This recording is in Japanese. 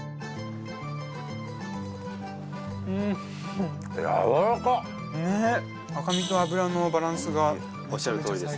うっふやわらかっねっ赤身と脂のバランスがおっしゃるとおりです